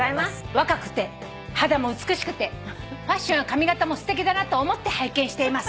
「若くて肌も美しくてファッションや髪形もすてきだなと思って拝見しています」